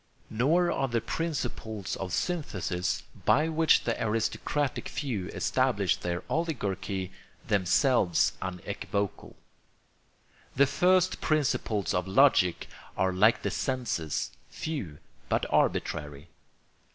Nor are the principles of synthesis, by which the aristocratic few establish their oligarchy, themselves unequivocal. The first principles of logic are like the senses, few but arbitrary.